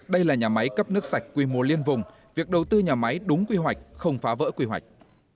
đây là nhà máy cấp nước sạch quy mô liên vùng việc đầu tư nhà máy đúng quy hoạch không phá vỡ quy hoạch